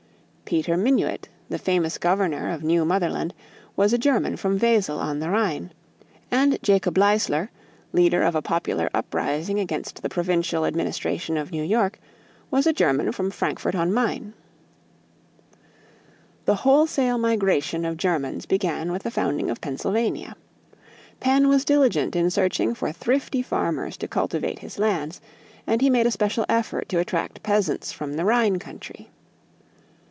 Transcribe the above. Peter Minuit, the famous governor of New Motherland, was a German from Wesel on the Rhine, and Jacob Leisler, leader of a popular uprising against the provincial administration of New York, was a German from Frankfort on Main. The wholesale migration of Germans began with the founding of Pennsylvania. Penn was diligent in searching for thrifty farmers to cultivate his lands and he made a special effort to attract peasants from the Rhine country.